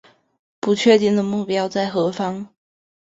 不确定的目标在何方